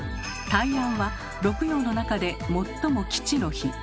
「大安」は六曜の中で最も吉の日。